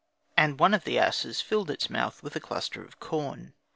And one of the asses filled its mouth with a cluster of corn.